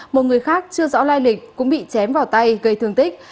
một người khác chưa rõ lai lịch cũng bị chém vào tay gây thương tích